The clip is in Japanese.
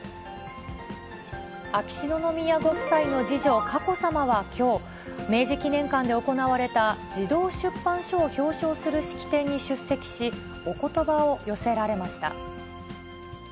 秋篠宮ご夫妻の次女、佳子さまはきょう、明治記念館で行われた児童出版書を表彰する式典に出席し、おことばを寄せられました。